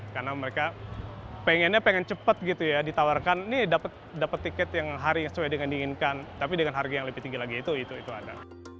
karena mereka pengennya pengen cepat gitu ya ditawarkan nih dapat tiket yang hari yang sesuai dengan diinginkan tapi dengan harga yang lebih tinggi lagi itu ada